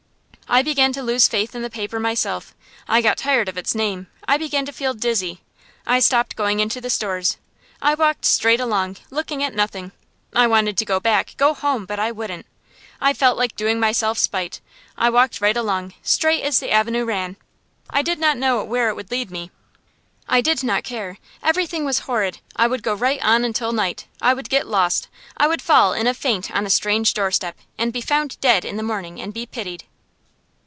I began to lose faith in the paper myself. I got tired of its name. I began to feel dizzy. I stopped going into the stores. I walked straight along, looking at nothing. I wanted to go back, go home, but I wouldn't. I felt like doing myself spite. I walked right along, straight as the avenue ran. I did not know where it would lead me. I did not care. Everything was horrid. I would go right on until night. I would get lost. I would fall in a faint on a strange doorstep, and be found dead in the morning, and be pitied.